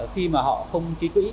khi mà họ không ký quỹ